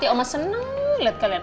ya oma senang liat kalian